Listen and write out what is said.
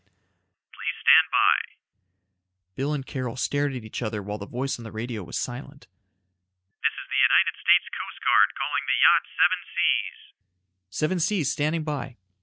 "Please stand by." Bill and Carol stared at each other while the voice on the radio was silent. "This is the United States Coast Guard calling the yacht Seven Seas." "Seven Seas standing by."